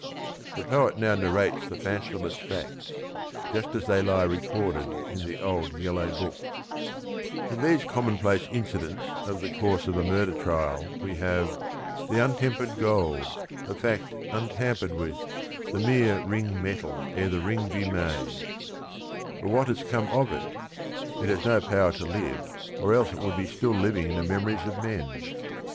" The poet now narrates the "fanciless facts'* just as they lie recorded in the old yellow book. 20 THE RING AND THE BOOK In these commonplace incidents of the course of a murder trial, we have "The untempered gold, the fact untampered with, The mere ring metal ere the ring be made 1 " But what has come of it? It has no power to live or else it would be still living in the memories of men.